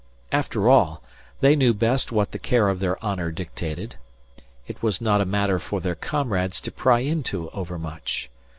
After all, they knew best what the care of their honour dictated. It was not a matter for their comrades to pry into overmuch.